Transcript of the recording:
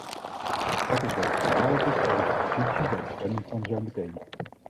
Dat is wat bepalend is voor onze positie bij de stemming van zo meteen.